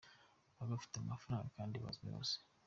Baba bafite amafaranga kandi bazwi hose.